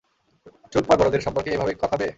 চুপ কর বড়দের সম্পর্কে এভাবে কথা বে?